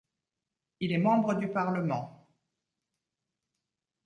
Il est membre du Parlement.